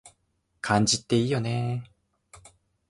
漢字っていいよね